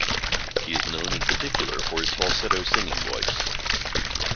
He is known in particular for his falsetto singing voice.